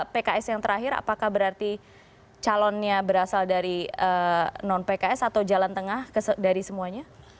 pks yang terakhir apakah berarti calonnya berasal dari non pks atau jalan tengah dari semuanya